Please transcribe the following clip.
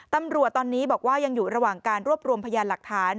ตำรวจตอนนี้บอกว่ายังอยู่ระหว่างการรวบรวมพยานหลักฐาน